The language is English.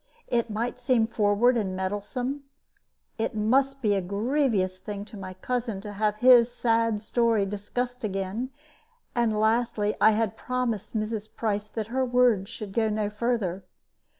It might seem forward and meddlesome; it must be a grievous thing to my cousin to have his sad story discussed again; and lastly, I had promised Mrs. Price that her words should go no further.